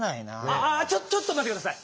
ああちょっとまってください。